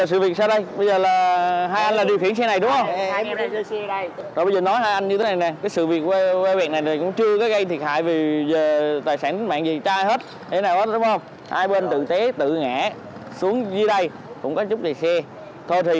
xe hết thế nào hết đúng không hai bên tự chế tự ngã xuống dưới đây cũng có chút thì xe thôi thì